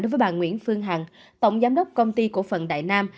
đối với bà nguyễn phương hằng tổng giám đốc công ty cổ phần đại nam